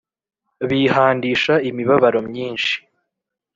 bihandisha imibabaro myinshi